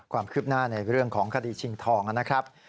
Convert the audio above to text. ความคืบหน้าในเรื่องของคดีชิงทองนะครับ